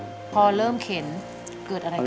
พอเริ่มเข็นเกิดอะไรขึ้น